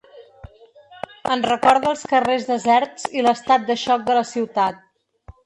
En recorda els carrers deserts i l’estat de xoc de la ciutat.